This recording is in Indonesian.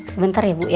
sebentar ya bu ya